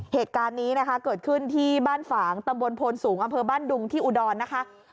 เหตุการณ์นี้นะคะเกิดขึ้นที่บ้านฝางตำบลโพนสูงอำเภอบ้านดุงที่อุดรนะคะ